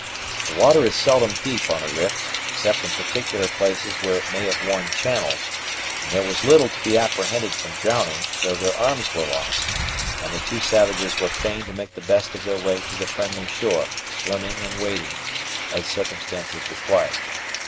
The water is seldom deep on a rift, except in particular places where it may have worn channels; and there was little to be apprehended from drowning, though their arms were lost; and the two savages were fain to make the best of their way to the friendly shore, swimming and wading as circumstances required.